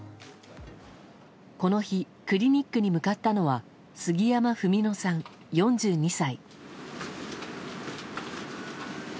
この日クリニックに向かったのは杉山文野さん、４２歳。